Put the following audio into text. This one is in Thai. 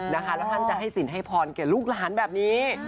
แล้วท่านจะให้สินให้พรแก่ลูกหลานแบบนี้